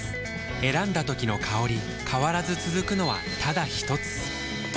選んだ時の香り変わらず続くのはただひとつ？